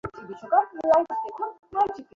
আরো ভালো হওয়ার চেষ্টা করছি।